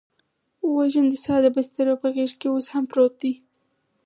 وږم د ساه دی دبسترپه غیږکې اوس هم پروت دي